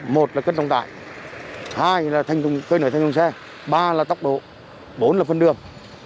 một là cất trọng tải hai là cây nở thành thùng xe ba là tốc độ bốn là phân đường